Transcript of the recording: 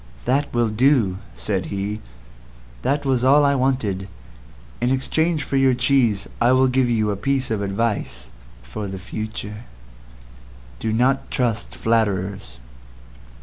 "That will do," said he. "That was all I wanted. In exchange for your cheese I will give you a piece of advice for the future— "DO NOT TRUST FLATTERERS.